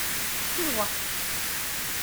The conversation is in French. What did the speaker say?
Tout droit